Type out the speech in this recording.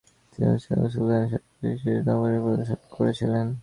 তিনি উসমানীয় সুলতানের সাথে ব্রিটিশ নৌবহরের প্রদর্শনী পরিদর্শন করেছিলেন।